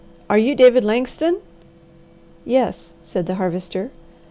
"Are you David Langston?" "Yes," said the Harvester.